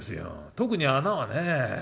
特に穴はねえ。